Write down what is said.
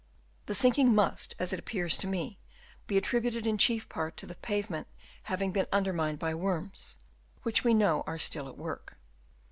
The sink ing must, as it appears to me, be attributed in chief part to the pavement having been undermined by worms, which we know are still at work.